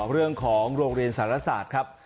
เรื่องของโรงเรียนสารศาสตร์ครับ